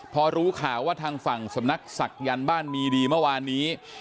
พอรู้ข่าวว่าทางฝั่งสำนักศักยันต์บ้านมีดีเมื่อวานนี้